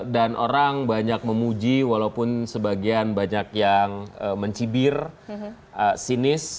dan orang banyak memuji walaupun sebagian banyak yang mencibir sinis